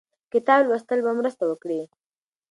کتاب لوستل به مرسته وکړي.